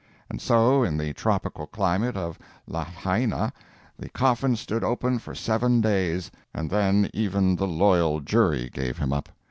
And so in the tropical climate of Lahaina the coffin stood open for seven days, and then even the loyal jury gave him up.